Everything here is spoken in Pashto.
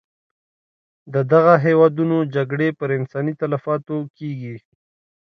د دغه هېوادونو جګړې پر انساني تلفاتو کېږي.